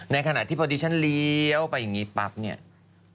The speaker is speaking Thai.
ในขณะที่ดิฉันเลี้ยวไปอย่างนี้ปั๊บ